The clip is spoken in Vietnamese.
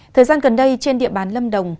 thời gian gần đây trên địa bàn lâm đồng